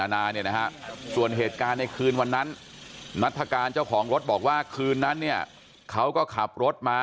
ส่วนเหตุการณ์ในคืนวันนั้นนัฐกาลเจ้าของรถบอกว่าคืนนั้นเนี่ยเขาก็ขับรถมา